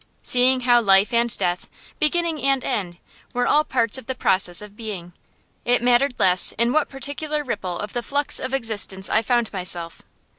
Seeing how life and death, beginning and end, were all parts of the process of being, it mattered less in what particular ripple of the flux of existence I found myself.